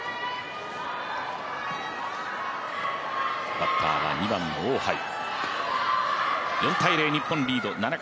バッターは２番の王ハイ。